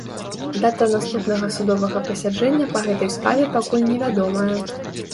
Дата наступнага судовага пасяджэння па гэтай справе пакуль невядомая.